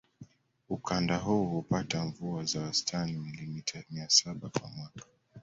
Ukanda huu hupata mvua za wastani milimita mia saba kwa mwaka